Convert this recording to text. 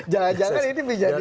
jangan jangan ini bisa jadi